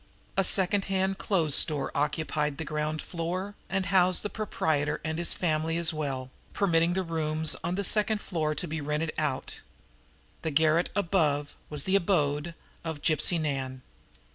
A secondhand clothes store occupied a portion of the ground floor, and housed the proprietor and his family as well, permitting the rooms on the second floor to be "rented out"; the garret above was the abode of Gypsy Nan.